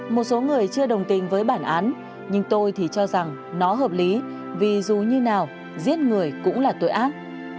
một số người chưa đồng tình với bản án nhưng tôi thì cho rằng nó hợp lý vì dù như nào giết người cũng là tội ác